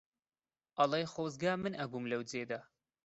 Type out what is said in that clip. ئەڵێ خۆزگا من ئەبووم لەو جێدا